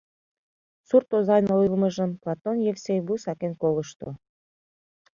Сурт озан ойлымыжым Платон Евсей вуй сакен колышто.